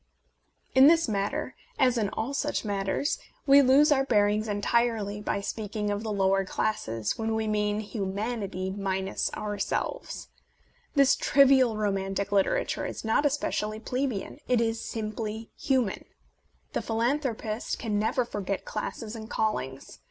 In this matter, as in all such matters, we lose our bearings entirely by speaking of the "lower classes" when we mean hu manity minus ourselves. This trivial ro mantic literature is not especially plebeian : it is simply human. The philanthropist can A Defen.ce of Penny Dreadfuls never forget classes and callings.